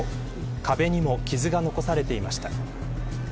壁にも傷が残されていました。